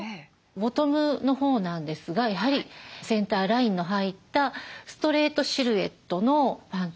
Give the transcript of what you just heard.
ボトムのほうなんですがやはりセンターラインの入ったストレートシルエットのパンツですね。